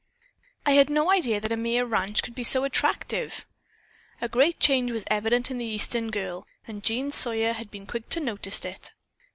"I had no idea that a mere ranch could be so attractive." A great change was evident in the Eastern girl, and Jean Sawyer had been quick to notice it.